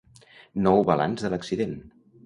Nou balanç de l’accident.